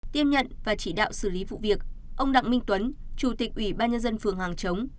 tiếp nhận và chỉ đạo xử lý vụ việc ông đặng minh tuấn chủ tịch ủy ban nhân dân phường hàng chống